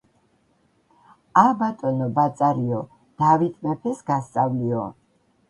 ა,ბატონო ბაწარიო, დავით მეფეს გასწავლიო.